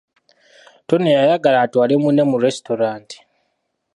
Tone yayagala atwale munne mu lesitulanta.